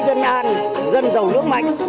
dân an dân giàu nước mạnh